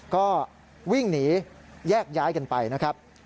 ก็วิ่งหนีแยกย้ายกันไปนะครับ